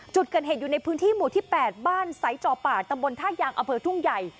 จุดเกิดเหตุอยู่ในพื้นที่หมู่ที่แปดบ้านใส่จอปากตะบนท่ายางอเผิดทุ่งใหญ่